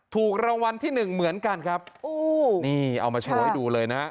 ถูกรางวัลที่หนึ่งเหมือนกันครับโอ้นี่เอามาโชว์ให้ดูเลยนะฮะ